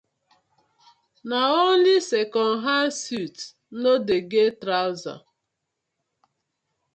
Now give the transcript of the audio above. Na only second hand suit no dey get trouser.